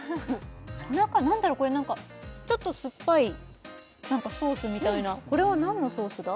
中何だろうこれ何かちょっと酸っぱいソースみたいなこれは何のソースだ？